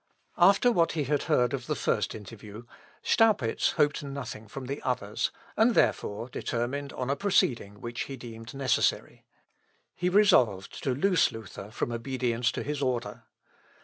After what he had heard of the first interview, Staupitz hoped nothing from the others, and, therefore, determined on a proceeding which he deemed necessary. He resolved to loose Luther from obedience to his order.